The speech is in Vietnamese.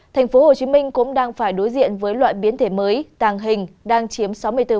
thành phố hồ chí minh cũng đang phải đối diện với loại biến thể mới tàng hình đang chiếm sáu mươi bốn